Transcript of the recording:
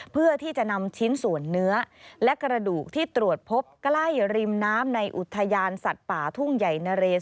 เพื่อที่จะนำชิ้นส่วนเนื้อและกระดูกที่ตรวจพบใกล้ริมน้ำในอุทยานสัตว์ป่าทุ่งใหญ่นะเรส